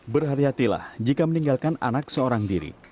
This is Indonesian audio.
berhati hatilah jika meninggalkan anak seorang diri